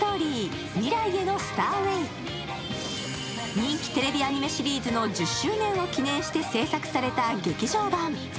人気テレビアニメシリーズの１０周年を記念して製作された劇場版。